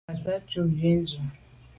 Ngassam ntshob yi ndù.